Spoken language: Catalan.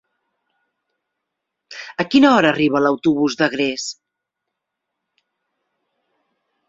A quina hora arriba l'autobús d'Agres?